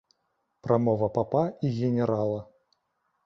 Прамова папа і генерала.